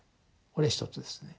これ１つですね。